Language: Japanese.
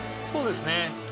そうですね。